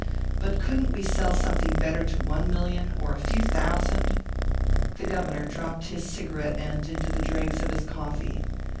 But couldn't we sell something better to one million or a few thousand?" The Governor dropped his cigarette end into the dregs of his coffee.